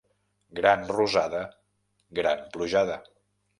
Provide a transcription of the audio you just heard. Gran rosada, gran plujada.